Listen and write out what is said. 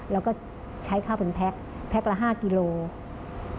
เราก็ใช้ข้าวผลแพ็กแพ็กละ๕กิโลกรัม